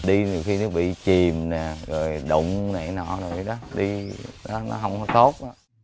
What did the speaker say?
đi thì khi nó bị chìm rồi đụng đi nó không có tốt